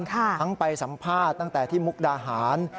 ทั้งไปสัมภาษณ์ตั้งแต่ที่มุกดาหาร